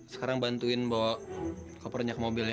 sekarang bantuin bawa kopernya ke mobil ya